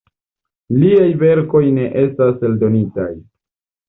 Liaj verkoj ne estas eldonitaj.